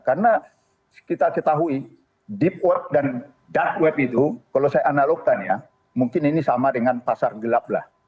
karena kita ketahui deep web dan dark web itu kalau saya analogkan ya mungkin ini sama dengan pasar gelap lah